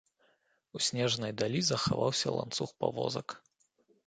У снежнай далі захаваўся ланцуг павозак.